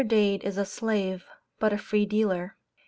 Dade is a slave, but a free dealer.